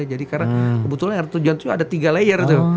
jadi karena kebetulan air terjun itu ada tiga layer tuh